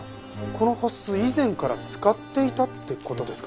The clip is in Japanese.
この払子以前から使っていたって事ですか？